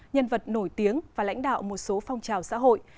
nhân vật nổi tiếng và lãnh đạo một số phong trào xã hội